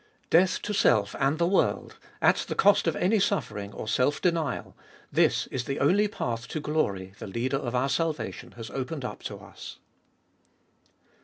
Death to self and the world, at the cost of any suffering or self denial, this is the only path to glory the Leader of our salvation has opened up to us.